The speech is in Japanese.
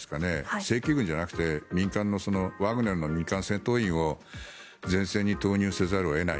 正規軍じゃなくて民間のワグネルの民間戦闘員を前線に投入せざるを得ない。